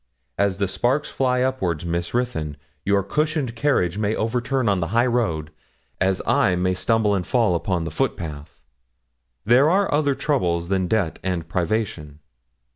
As the sparks fly upwards, Miss Ruthyn! Your cushioned carriage may overturn on the highroad, as I may stumble and fall upon the footpath. There are other troubles than debt and privation.